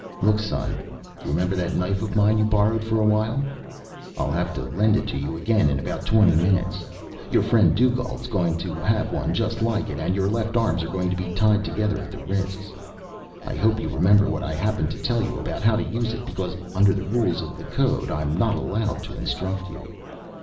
"Look, son you remember that knife of mine you borrowed for a while? I'll have to lend it to you again, in about twenty minutes. Your friend Dugald's going to have one just like it, and your left arms are going to be tied together at the wrists. I hope you remember what I happened to tell you about how to use it, because under the rules of the code, I'm not allowed to instruct you."